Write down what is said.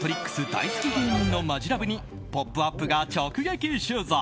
大好き芸人のマヂラブに「ポップＵＰ！」が直撃取材。